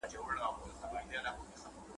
سل مي ښځي له مېړونو جلا كړي `